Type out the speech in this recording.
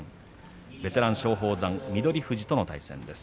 ベテラン松鳳山は翠富士との対戦です。